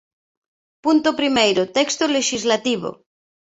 Punto primeiro, texto lexislativo.